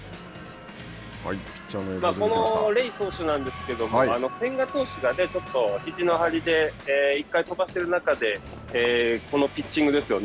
このレイ投手なんですけども千賀投手がちょっとひじの張りで１回飛ばしている中でこのピッチングですよ。